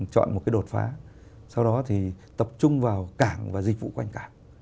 chọn một cái đột phá sau đó thì tập trung vào cảng và dịch vụ quanh cảng